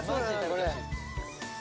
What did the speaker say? これ。